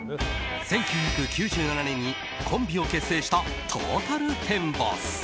１９９７年にコンビを結成したトータルテンボス。